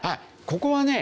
ここはね